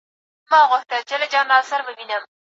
ایا د لمانځه رکعتونه دې په سمه توګه وشمېرل؟